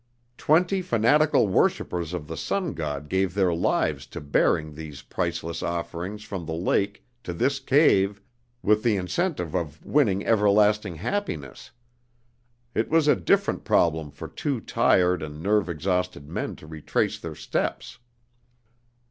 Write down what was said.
Twenty fanatical worshipers of the Sun God gave their lives to bearing these priceless offerings from the lake to this cave with the incentive of winning everlasting happiness. It was a different problem for two tired and nerve exhausted men to retrace their steps.